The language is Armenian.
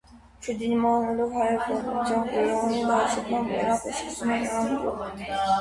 Չդիմանալով հայոց զորքի գրոհին՝ պարսկական բանակը սկսում է նահանջել։